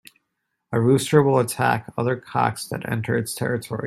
A rooster will attack other cocks that enter its territory.